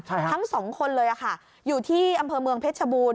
ช่างทั้ง๒คนเลยอ่ะค่ะอยู่ที่อำเภอเมืองเพชรชบูรณ์